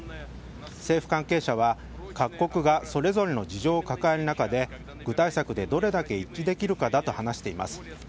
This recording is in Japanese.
政府関係者は各国がそれぞれの事情を抱える中で具体策でどれだけ一致できるかだと話しています。